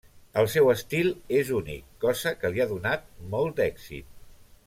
El seu estil és únic, cosa que li ha donat molt d'èxit.